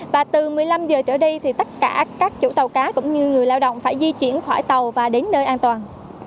và từ một mươi năm giờ trở đi thì tất cả các chủ tàu cá cũng như người lao động phải di chuyển khỏi tàu và đến nơi an toàn